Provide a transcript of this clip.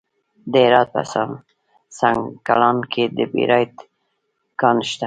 د هرات په سنګلان کې د بیرایت کان شته.